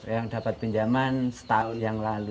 yang dapat pinjaman setahun yang lalu